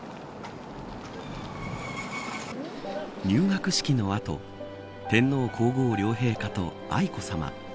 入学式の後天皇皇后両陛下と愛子さま